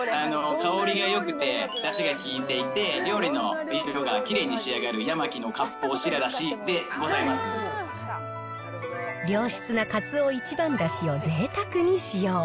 香りがよくて、だしが効いていて、料理のがきれいに仕上がる、ヤマキの良質なかつお一番だしをぜいたくに使用。